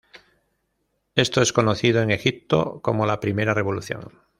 Esto es conocido en Egipto como la Primera Revolución.